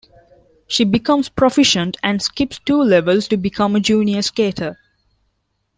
She becomes proficient and skips two levels to become a junior skater.